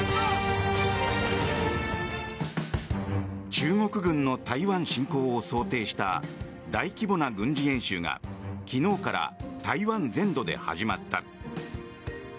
中国軍の台湾進攻を想定した大規模な軍事演習が昨日から台湾全土で始まった。